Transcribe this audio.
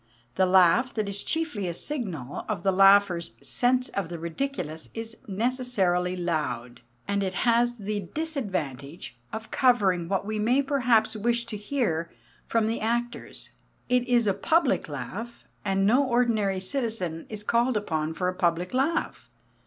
The laugh that is chiefly a signal of the laugher's sense of the ridiculous is necessarily loud; and it has the disadvantage of covering what we may perhaps wish to hear from the actors. It is a public laugh, and no ordinary citizen is called upon for a public laugh.